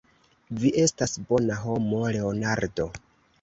Vi estas bona homo, Leonardo.